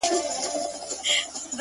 • ځوان ناست دی ـ